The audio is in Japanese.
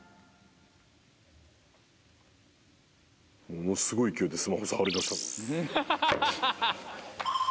ものすごい勢いでスマホ触りだした。